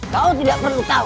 kau tidak perlu tahu